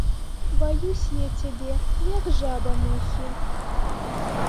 Баюся я цябе, як жаба мухі!